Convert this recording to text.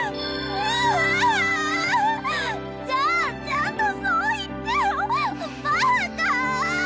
うわん！じゃあちゃんとそう言ってよバカ！